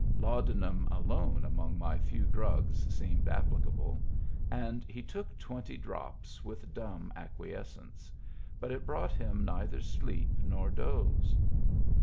Laudanum alone among my few drugs seemed applicable, and he took twenty drops with dumb acquiescence, but it brought him neither sleep nor doze.